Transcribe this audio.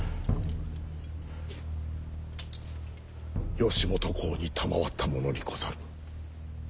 義元公に賜ったものにござる。